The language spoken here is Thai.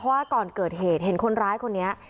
ว่าก่อนเกิดเหตุเห็นคนร้ายคนนี้